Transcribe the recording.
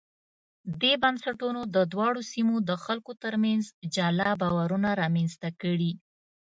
دې بنسټونو د دواړو سیمو د خلکو ترمنځ جلا باورونه رامنځته کړي.